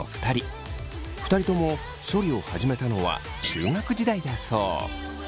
２人とも処理を始めたのは中学時代だそう。